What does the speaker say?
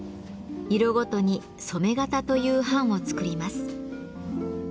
色ごとに染め型という版を作ります。